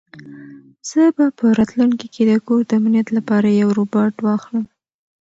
زه به په راتلونکي کې د کور د امنیت لپاره یو روبوټ واخلم.